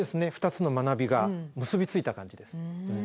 ２つの学びが結び付いた感じです。